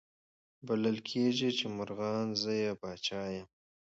بلل کیږي چي مرغان زه یې پاچا یم